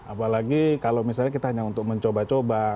apalagi kalau misalnya kita hanya untuk mencoba coba